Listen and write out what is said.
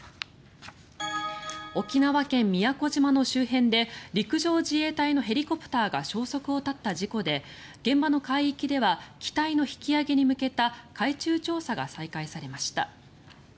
沖縄県・宮古島の周辺で陸上自衛隊のヘリコプターが消息を絶った事故で現場の海域では機体の引き揚げに向けた海中調査が再開されました。